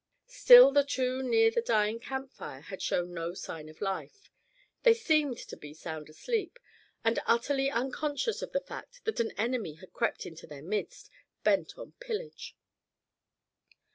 Still the two near the dying camp fire had shown no sign of life. They seemed to be sound asleep, and utterly unconscious of the fact that an enemy had crept into their midst, bent on pillage.